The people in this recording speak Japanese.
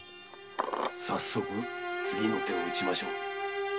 さっそく次の手を打ちましょう。